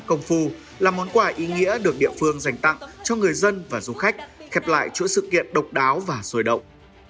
công phu là món quà ý nghĩa được địa phương dành tặng cho người dân và du khách khép lại chuỗi sự kiện độc đáo và sôi động